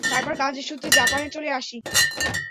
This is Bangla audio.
তারপর, কাজের সূত্রে জাপানে চলে আসি।